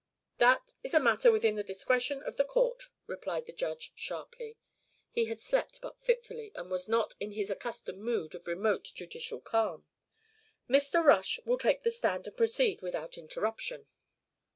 "That is a matter within the discretion of the court," replied the Judge sharply; he had slept but fitfully and was not in his accustomed mood of remote judicial calm. "Mr. Rush will take the stand and proceed without interruption."